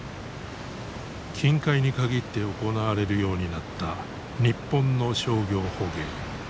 近海に限って行われるようになった日本の商業捕鯨。